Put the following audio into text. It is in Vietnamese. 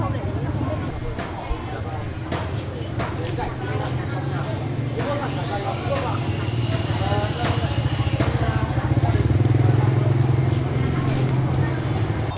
lúc đấy không để